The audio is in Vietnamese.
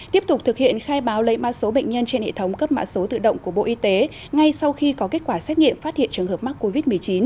tiếp tục thực hiện khai báo lấy mã số bệnh nhân trên hệ thống cấp mạ số tự động của bộ y tế ngay sau khi có kết quả xét nghiệm phát hiện trường hợp mắc covid một mươi chín